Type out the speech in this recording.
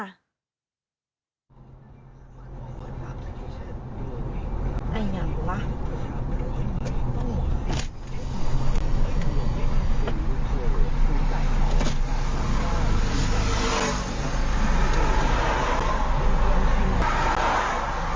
ไอละ